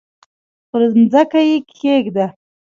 پر مځکه یې کښېږده!